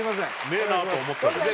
ねえなと思ったけど。